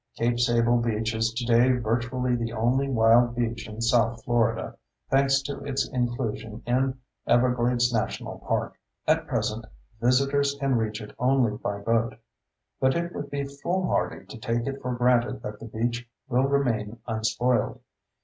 Cape Sable beach is today virtually the only wild beach in South Florida, thanks to its inclusion in Everglades National Park. At present, visitors can reach it only by boat. But it would be foolhardy to take it for granted that the beach will remain unspoiled.